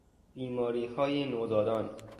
بیماریهای نوزادان